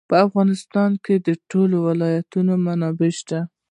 په افغانستان کې د ټولو ولایتونو منابع شته.